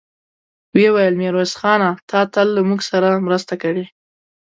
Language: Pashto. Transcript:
ويې ويل: ميرويس خانه! تا تل له موږ سره مرسته کړې.